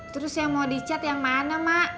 terus yang mau dicet yang mana mak